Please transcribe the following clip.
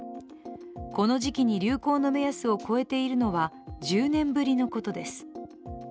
この時期に流行の目安を超えているのは１０年ぶりのことです。